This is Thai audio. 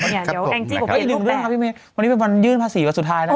อีกหนึ่งเรื่องนะครับพี่เมย์วันนี้เป็นวันยื่นภาษีวันสุดท้ายนะคะ